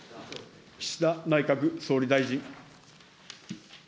岸田内閣総理大臣。